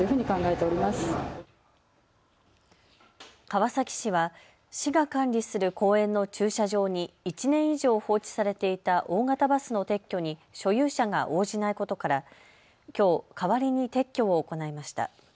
川崎市は市が管理する公園の駐車場に１年以上放置されていた大型バスの撤去に所有者が応じないことからきょう代わりに撤去を行いました。